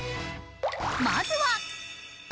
まずは。